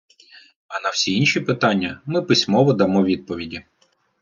А на всі інші питання ми письмово дамо відповіді.